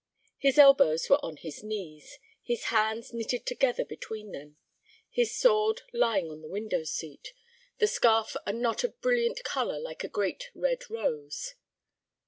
His elbows were on his knees, his hands knitted together between them, his sword lying on the window seat, the scarf a knot of brilliant color like a great red rose.